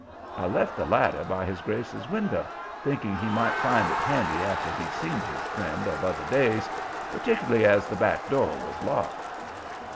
I left the ladder by his grace's window, thinking he might find it handy after he'd seen his friend of other days, particularly as the back door was locked.